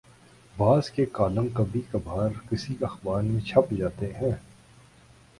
بعض کے کالم کبھی کبھارکسی اخبار میں چھپ جاتے ہیں۔